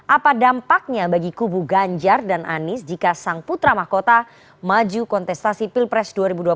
apa dampaknya bagi kubu ganjar dan anies jika sang putra mahkota maju kontestasi pilpres dua ribu dua puluh empat